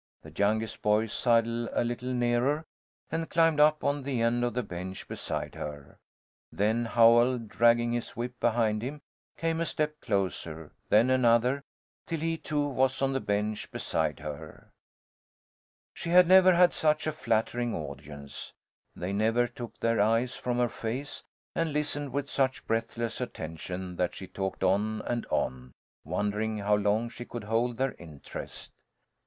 The youngest boy sidled a little nearer and climbed up on the end of the bench beside her. Then Howell, dragging his whip behind him, came a step closer, then another, till he too was on the bench beside her. She had never had such a flattering audience. They never took their eyes from her face, and listened with such breathless attention that she talked on and on, wondering how long she could hold their interest.